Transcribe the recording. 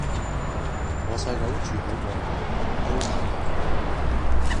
我細佬住喺旺角鴻都大廈